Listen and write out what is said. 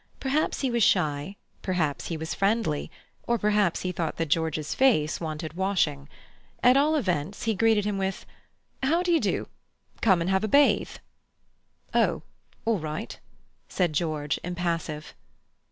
Perhaps he was shy, perhaps he was friendly, or perhaps he thought that George's face wanted washing. At all events he greeted him with, "How d'ye do? Come and have a bathe." "Oh, all right," said George, impassive.